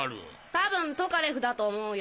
多分トカレフだと思うよ。